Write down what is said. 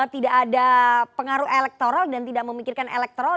tidak ada pengaruh elektoral dan tidak memikirkan elektoral